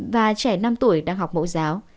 và trẻ năm tuổi đang học mẫu giáo